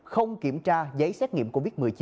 không kiểm tra giấy xét nghiệm covid một mươi chín